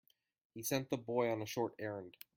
He sent the boy on a short errand.